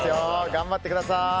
頑張ってください！